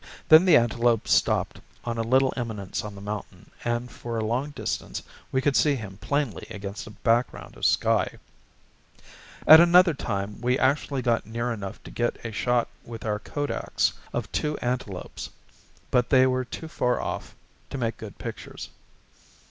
Then the antelope stopped on a little eminence on the mountain, and for a long distance we could see him plainly against a background of sky. At another time we actually got near enough to get a shot with our kodaks at two antelopes; but they were too far off to make good pictures.